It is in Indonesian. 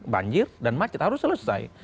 banjir dan macet harus selesai